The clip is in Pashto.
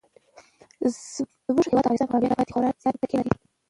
زموږ هیواد افغانستان په بامیان باندې خورا زیاته تکیه لري.